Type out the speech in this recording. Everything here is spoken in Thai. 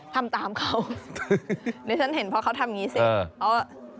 ทำตามเขาเดี๋ยวฉันเห็นเพราะเขาทำอย่างนี้สิ